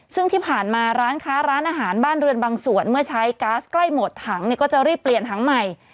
ซึ่งที่ผ่านมาร้านค้าร้านอาหารบ้านเรือนบางส่วนเมื่อใช้ก๊าซใกล้หมดถังเนี่ยก็จะรีบเปลี่ยนถังใหม่